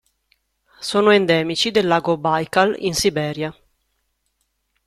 Sono endemici del lago Baikal in Siberia.